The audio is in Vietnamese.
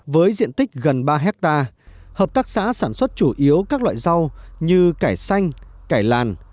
với diện tích gần ba hectare hợp tác xã sản xuất chủ yếu các loại rau như cải xanh cải làn